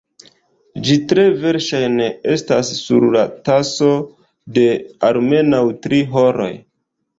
Ĝi tre verŝajne estas sur la taso de almenaŭ tri horoj.